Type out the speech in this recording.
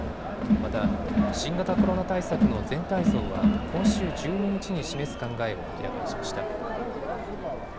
また、新型コロナ対策の全体像は今週１２日に示す考えを明らかにしました。